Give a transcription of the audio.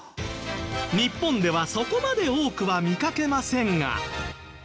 日本ではそこまで多くは見かけませんが。